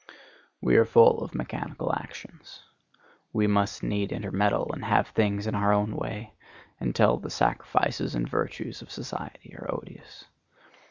We are full of mechanical actions. We must needs intermeddle and have things in our own way, until the sacrifices and virtues of society are odious.